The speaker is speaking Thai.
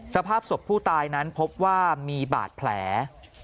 สภาพศพผู้ตายนั้นพบว่ามีบาดแผล